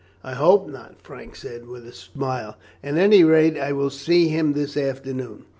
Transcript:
"I hope not," Frank said, with a smile. "At any rate I will see him this afternoon."